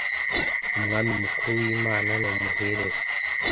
Umwami mukuru wImana numuhereza